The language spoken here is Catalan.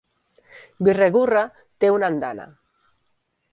Birregurra té una andana.